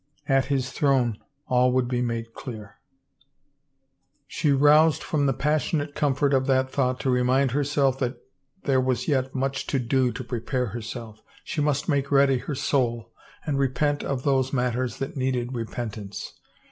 At His Throne all would be made clear. ... 364 THE NUMBERED HOURS She roused from the passionate comfort of that thought to remind herself that there was yet much to do to pre pare herself ; she must make ready her soul, and repent of those matters that needed repentance.